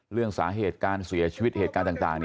เรื่องสาเหตุการเสียชีวิตเหตุการณ์ต่าง